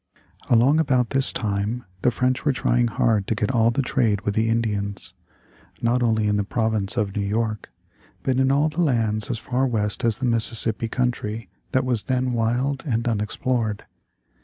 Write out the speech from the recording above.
Along about this time the French were trying hard to get all the trade with the Indians, not only in the province of New York, but in all the lands as far west as the Mississippi country that was then wild and unexplored.